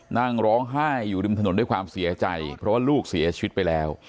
นั่งร้องไห้อยู่ริมถนนด้วยความเสียใจเพราะว่าลูกเสียชีวิตไปแล้ว